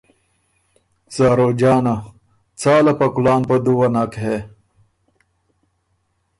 زاروجانه: څاله په کُلان په دُوّه نک هې۔